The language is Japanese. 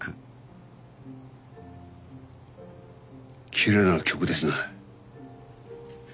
きれいな曲ですね。